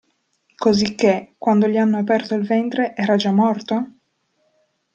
Cosicché, quando gli hanno aperto il ventre era già morto?